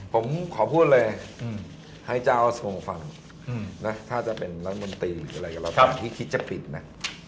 ผมขอพูดเลยให้เจ้าส่วนฟังถ้าจะเป็นร้านมนตรีหรืออะไรก็รอต่างที่คิดจะปิดนะ